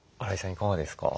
いかがですか？